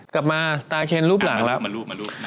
กลับมาตาเคนรูปหลังแล้ว